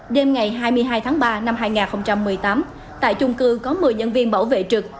đêm ngày hai mươi hai tháng ba năm hai nghìn một mươi tám tại chung cư có một mươi nhân viên bảo vệ trực